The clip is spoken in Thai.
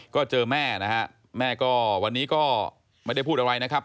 ก็เจอแม่นะฮะแม่ก็วันนี้ก็ไม่ได้พูดอะไรนะครับ